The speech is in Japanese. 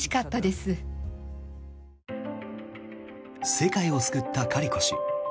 世界を救ったカリコ氏。